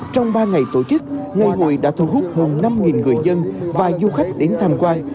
trong ba ngày tổ chức ngày hội đã thu hút hơn năm người dân và du khách đến tham quan